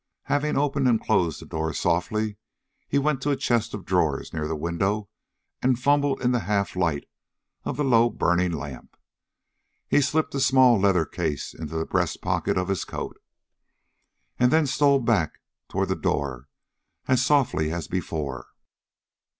Having opened and closed the door softly, he went to a chest of drawers near the window and fumbled in the half light of the low burning lamp. He slipped a small leather case into the breast pocket of his coat, and then stole back toward the door, as softly as before.